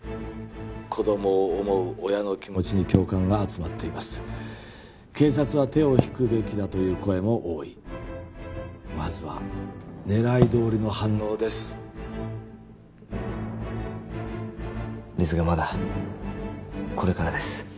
子供を思う親の気持ちに共感が集まっています「警察は手を引くべきだ」という声も多いまずは狙いどおりの反応ですですがまだこれからです